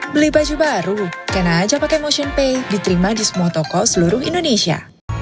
beli baju baru kena aja pake motionpay diterima di semua toko seluruh indonesia